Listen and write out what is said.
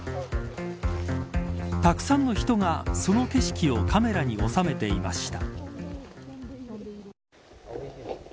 たくさんの人が、その景色をカメラに収めていました。